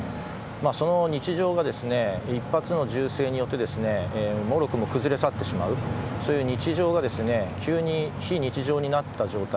その日常が一発の銃声によってもろくも崩れ去ってしまうそういう日常が急に非日常になった状態